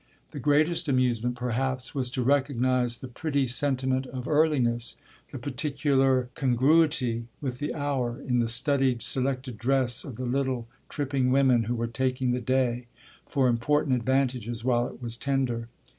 The greatest amusement perhaps was to recognise the pretty sentiment of earliness, the particular congruity with the hour, in the studied, selected dress of the little tripping women who were taking the day, for important advantages, while it was tender.